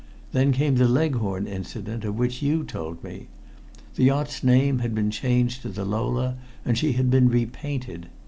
Then came the Leghorn incident of which you told me. The yacht's name had been changed to the Lola, and she had been repainted.